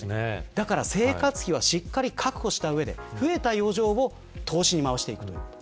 だから、生活費はしっかり確保した上で増えた余剰を投資にまわしていくということ。